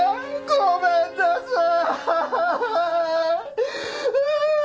ごめんなさい！